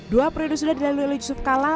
dua periode sudah dilalui oleh yusuf kala